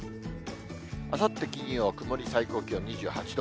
あさって金曜、曇り、最高気温２８度。